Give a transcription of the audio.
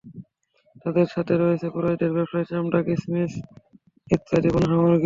তাদের সাথে রয়েছে কুরাইশের ব্যবসার চামড়া, কিসমিস ইত্যাদি পণ্যসামগ্রী।